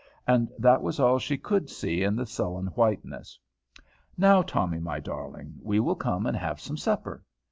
And that was all she could see in the sullen whiteness. "Now, Tommy, my darling, we will come and have some supper."